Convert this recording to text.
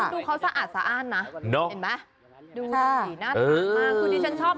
ดูเขาสะอาดสะอ้านนะเห็นไหมดูสิหน้าตามากคือดิฉันชอบ